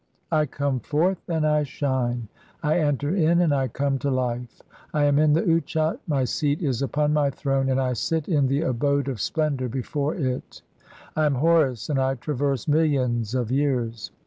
I come forth and I shine ; I enter in and I come to "life. I am in the Utchat], 1 my seat is (15) upon my throne, "and I sit in the abode of splendour (?) before it. I am Horus "and (I) traverse millions of years.